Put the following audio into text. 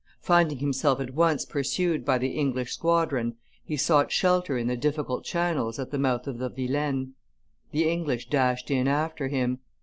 Finding himself at once pursued by the English squadron, he sought shelter in the difficult channels at the mouth of the Vilaine. The English dashed in after him.